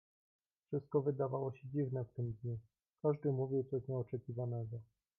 "Wszystko wydawało się dziwne w tym dniu; każdy mówił coś nieoczekiwanego."